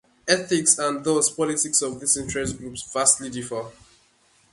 Ethics and thus politics of these interest groups vastly differ.